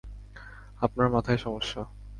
আপনার মাথায় সমস্যা।